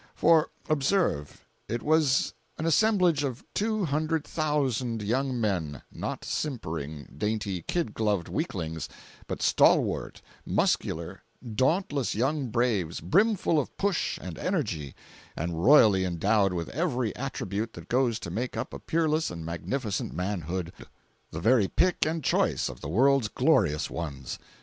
For observe, it was an assemblage of two hundred thousand young men—not simpering, dainty, kid gloved weaklings, but stalwart, muscular, dauntless young braves, brimful of push and energy, and royally endowed with every attribute that goes to make up a peerless and magnificent manhood—the very pick and choice of the world's glorious ones.